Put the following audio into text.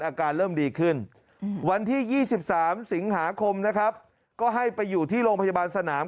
อาการเริ่มดีขึ้นวันที่๒๓สิงหาคมนะครับก็ให้ไปอยู่ที่โรงพยาบาลสนาม